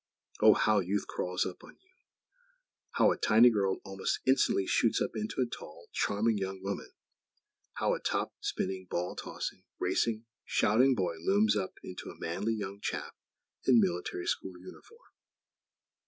Oh, how Youth crawls up on you! How a tiny girl "almost instantly" shoots up into a tall, charming young woman! How a top spinning, ball tossing, racing, shouting boy looms up into a manly young chap in Military School uniform!